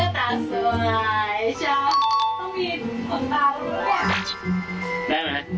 พ่อพอดีครับ